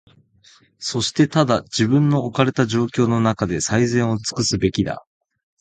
そしてただ、自分の置かれた状況のなかで、最善をつくすべきだ。